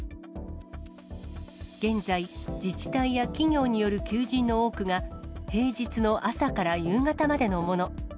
現在、自治体や企業による求人の多くが、平日の朝から夕方までのもの。